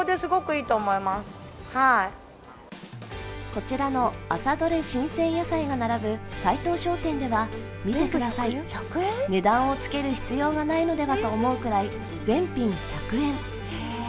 こちらの朝どれ新鮮野菜が並ぶ斉藤商店では見てください、値段をつける必要がないのではと思うくらい全品１００円。